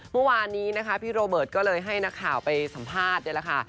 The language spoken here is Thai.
เมื่อวานนี้นะคะพี่โรเบิร์ตก็เลยให้นักข่าวไปสัมภาษณ์นี่แหละค่ะ